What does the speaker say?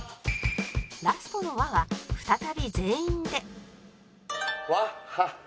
ラストの「わ」は再び全員で